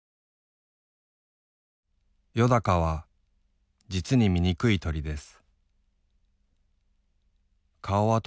「よだかは實にみにくい鳥です」。